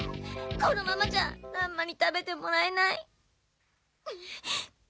このままじゃ乱馬に食べてもらえないんんっ！